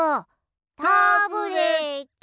タブレットン！